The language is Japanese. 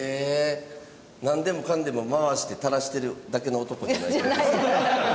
なんでもかんでも回して垂らしてるだけの男じゃないって事？じゃない。